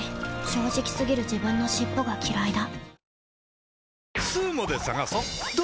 正直過ぎる自分の尻尾がきらいだ